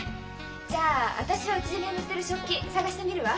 じゃあ私はうちで眠ってる食器探してみるわ。